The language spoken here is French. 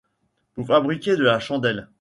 Pour fabriquer de la chandelle